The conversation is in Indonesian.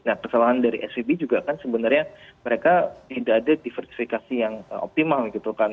nah kesalahan dari svb juga kan sebenarnya mereka tidak ada diversifikasi yang optimal gitu kan